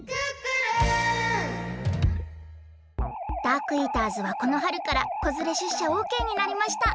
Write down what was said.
ダークイーターズはこのはるからこづれしゅっしゃオーケーになりました。